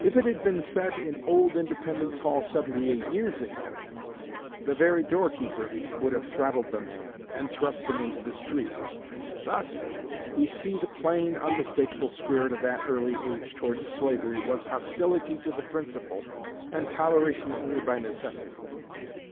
If it had been said in old Independence Hall seventy eight years ago, the very doorkeeper would have throttled the man, and thrust him into the street.... Thus we see the plain, unmistakable spirit of that early age towards slavery was hostility to the principle, and toleration only by necessity.